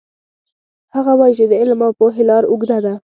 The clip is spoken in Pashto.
هغه وایي چې د علم او پوهې لار اوږده ده